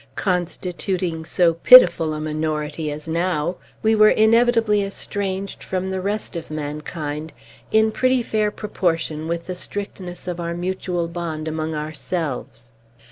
Constituting so pitiful a minority as now, we were inevitably estranged from the rest of mankind in pretty fair proportion with the strictness of our mutual bond among ourselves.